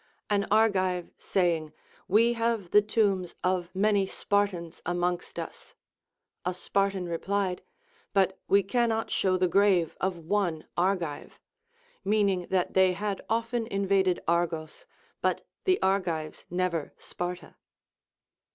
An Argive saying, AVe have the tombs of many Spartans amongst us ; a Spartan replied, But we cannot show the grave of one Argive ; meaning that they had often invaded Argos, but the Argives never Sparta.